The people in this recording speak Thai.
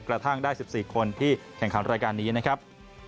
กระทั่งได้๑๔คนที่แข่งขันรายการนี้นะครับ